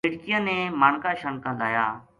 بیٹکیاں نے مانکا شانکا لایا۔